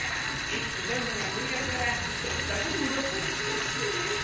みっつぜんぶがむりやったらひとつだけでもらくさつしまっせ！